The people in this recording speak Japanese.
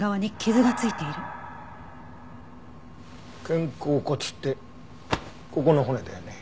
肩甲骨ってここの骨だよね。